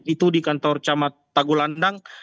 itu di kantor camat tagolandang